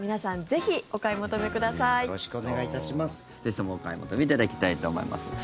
ぜひともお買い求めいただきたいと思います。